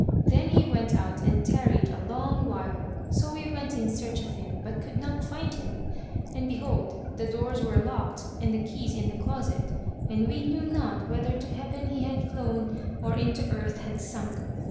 Then he went out and tarried a long while. So we went in search of him, but could not find him; and behold, the doors were locked and the keys in the closet, and we knew not whether to heaven he had flown or into earth had sunk.